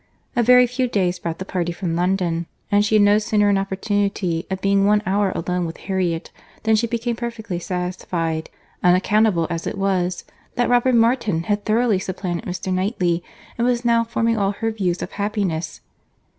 A very few days brought the party from London, and she had no sooner an opportunity of being one hour alone with Harriet, than she became perfectly satisfied—unaccountable as it was!—that Robert Martin had thoroughly supplanted Mr. Knightley, and was now forming all her views of happiness.